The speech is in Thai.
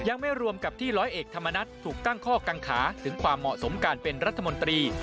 ยังไม่รวมกับที่ร้อยเอกธรรมนัฐถูกตั้งข้อกังขาถึงความเหมาะสมการเป็นรัฐมนตรี